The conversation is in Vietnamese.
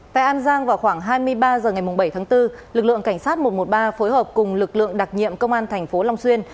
tại an giang vào khoảng hai mươi ba h ngày bảy tháng bốn lực lượng cảnh sát một trăm một mươi ba phối hợp cùng lực lượng đặc nhiệm công an thành phố long xuyên